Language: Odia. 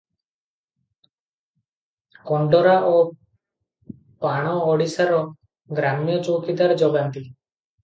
କଣ୍ଡରା ଓ ପାଣ ଓଡିଶାର ଗ୍ରାମ୍ୟ ଚୌକିଦାର ଯୋଗାନ୍ତି ।